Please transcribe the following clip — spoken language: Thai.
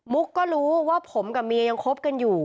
ก็รู้ว่าผมกับเมียยังคบกันอยู่